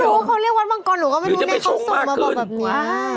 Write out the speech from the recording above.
รู้เขาเรียกวัดมังกรหนูก็ไม่รู้เนี่ยเขาส่งมาบอกแบบนี้